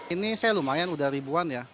ini saya lumayan udah ribuan ya